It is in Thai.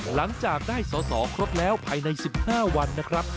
หลังจากได้สอสอครบแล้วภายใน๑๕วันนะครับ